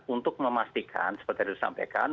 untuk memastikan seperti tadi disampaikan